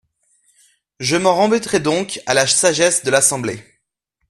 Je m’en remettrai donc à la sagesse de l’Assemblée.